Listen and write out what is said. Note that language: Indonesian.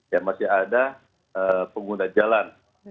ya masih ada pengguna jalan